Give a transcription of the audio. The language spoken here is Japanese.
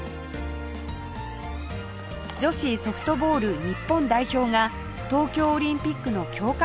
女子ソフトボール日本代表が東京オリンピックの強化